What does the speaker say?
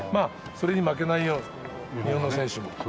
それに負けないような日本の選手も。